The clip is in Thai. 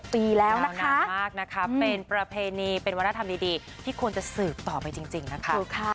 ๑๒๖ปีแล้วนะครับเป็นประเพณีเป็นวัฒนธรรมดีที่ควรจะสืบต่อไปจริงนะครับ